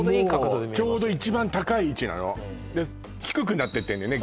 ちょうど一番高い位置なの低くなってってんだよね